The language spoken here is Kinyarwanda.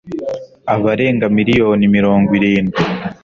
abarenga miliyoni mirongo irindwi